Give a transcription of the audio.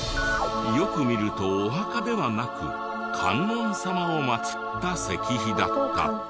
よく見るとお墓ではなく観音様をまつった石碑だった。